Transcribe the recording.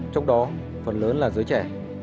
trong đó phần lớn là giới trẻ